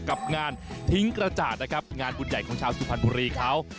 กับงานทิ้งกระจาดนะครับงานบุญใหญ่ของชาวสุพรรณบุรีเขา